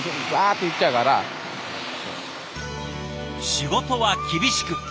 仕事は厳しく。